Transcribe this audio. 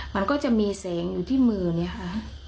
มันก็จะมีแสงอยู่ที่มือเนี่ยค่ะ